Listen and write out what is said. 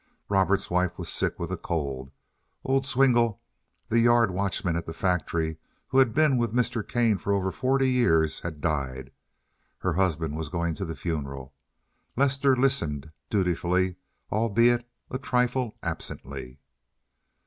Robert's wife was sick with a cold. Old Zwingle, the yard watchman at the factory, who had been with Mr. Kane for over forty years, had died. Her husband was going to the funeral. Lester listened dutifully, albeit a trifle absently.